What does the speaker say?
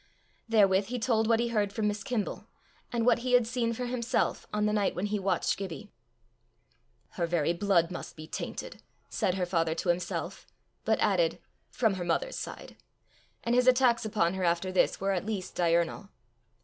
Therewith he told what he heard from Miss Kimble, and what he had seen for himself on the night when he watched Gibbie. "Her very blood must be tainted!" said her father to himself, but added, " from her mother's side;" and his attacks upon her after this were at least diurnal.